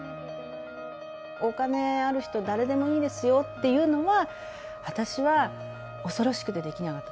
お金ある人誰でもいいですよっていうのは、私は恐ろしくてできなかった。